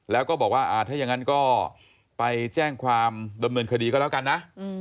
แล้วก็บอกว่าถ้าอย่างนั้นก็ไปแจ้งความดำเนินคดีก็แล้วกันนะ